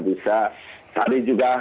bisa tadi juga